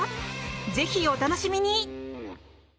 ぜひ、お楽しみに！